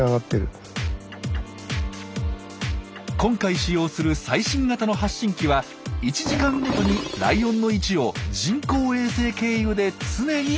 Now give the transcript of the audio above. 今回使用する最新型の発信機は１時間ごとにライオンの位置を人工衛星経由で常に教えてくれるんです。